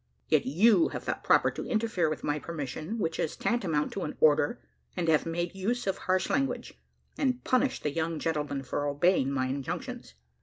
Yet you have thought proper to interfere with my permission, which is tantamount to an order, and have made use of harsh language, and punished the young gentlemen for obeying my injunctions.